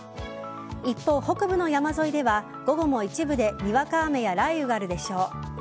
一方、北部の山沿いでは午後も一部でにわか雨や雷雨があるでしょう。